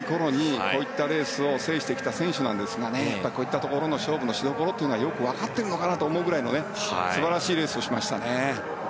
やはり若い頃にこういったレースを制してきた選手なんですがこういったところの勝負のしどころというのがよくわかっているのかなというぐらいの素晴らしいレースをしましたね。